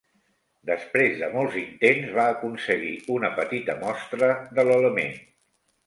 Després de molts intents va aconseguir una petita mostra de l'element.